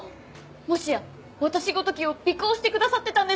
もしや私ごときを尾行してくださってたんですか？